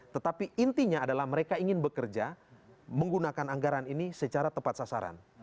tetapi intinya adalah mereka ingin bekerja menggunakan anggaran ini secara tepat sasaran